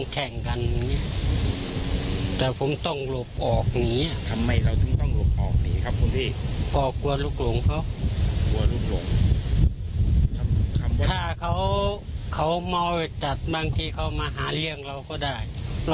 ถ้าเขาเมาจัดบางทีเขามาหาเรื่องเราก็ได้